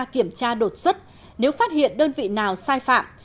kiểm tra đột xuất nếu phát hiện đơn vị nào sai phạm